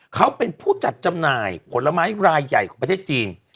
เขาเป็นผู้จัดจำหน่ายผลไม้รายใหญ่ของประเทศจีน